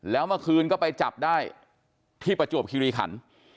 แล้วเมื่อคืนก็ไปจับได้ที่ประจวบคิริขัน